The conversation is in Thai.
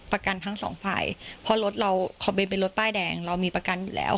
ประกันทั้งสองฝ่ายเพราะรถเราคอมเมนต์เป็นรถป้ายแดงเรามีประกันอยู่แล้ว